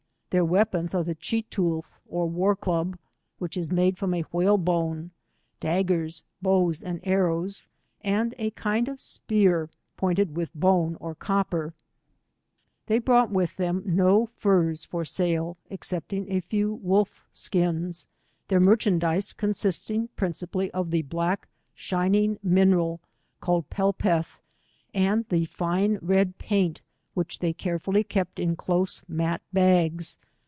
Their wea pons are the CheetooUh^ or war club, which is made from whale bone, daggers, bow and arrows, and a Kind of spear pointed with bone or copper. 95 They bronght with them no furs for sale exceplmp: a few wolf skins, their merchandize consisting principally of the blacli shining mineral called pel peth, and the fine red paiat which they carefully kept in close mat bags.